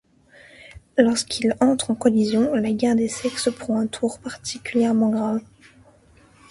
Lorsqu'ils entrent en collision, la guerre des sexes prend un tour particulièrement grave.